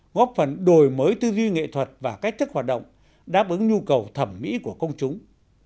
góp phần đổi mới tư duy nghệ thuật và cách thức hoạt động đáp ứng nhu cầu thẩm mỹ của công chúng